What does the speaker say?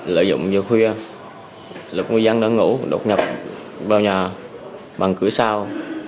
lợi dụng giờ khuya lực người dân đang ngủ đột nhập vào nhà bằng cửa sau